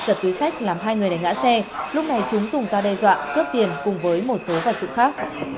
giật túi sách làm hai người đánh ngã xe lúc này chúng dùng ra đe dọa cướp tiền cùng với một số vật dụng khác